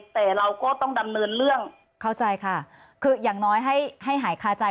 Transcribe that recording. แต่เราก็ต้องดำเนินเรื่องเข้าใจค่ะคืออย่างน้อยให้ให้หายคาใจ